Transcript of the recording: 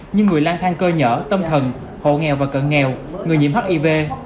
như người lang thang cơ nhở tâm thần hộ nghèo và cận nghèo người nhiễm hiv